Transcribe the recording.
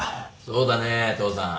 そうだね父さん。